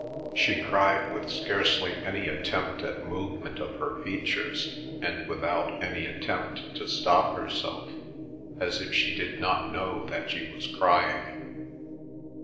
She cried with scarcely any attempt at movement of her features, and without any attempt to stop herself, as if she did not know that she was crying.